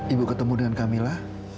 ibu ketemu dengan camilla